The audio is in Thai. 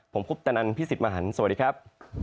ผมคุปตะนันพี่สิทธิ์มหันฯสวัสดีครับ